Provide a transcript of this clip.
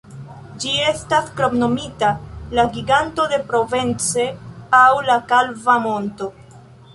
Ĝi estas kromnomita la Giganto de Provence aŭ la kalva monto.